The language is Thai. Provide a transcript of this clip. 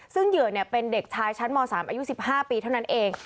ซึ่งเหยื่อเป็นเด็กชายชั้นม๓อายุ๑๕ปีเท่านั้นเอง